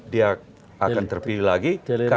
dia akan terpilih lagi